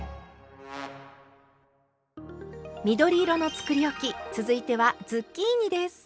緑色のつくりおき続いてはズッキーニです。